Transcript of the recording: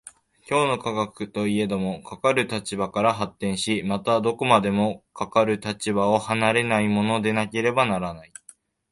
今日の科学といえども、かかる立場から発展し、またどこまでもかかる立場を離れないものでなければならない。